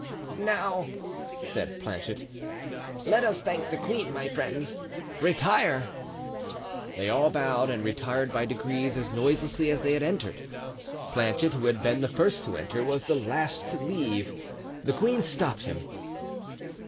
"Now," said Planchet, "let us thank the queen. My friends, retire." They all bowed, and retired by degrees as noiselessly as they had entered. Planchet, who had been the first to enter, was the last to leave. The queen stopped him.